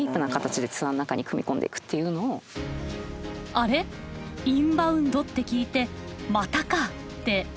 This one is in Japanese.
あれっインバウンドって聞いてまたかってお思いですか？